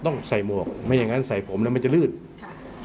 ต้องใส่หมวกไม่อย่างนั้นใส่ผมแล้วมันจะลื่นค่ะ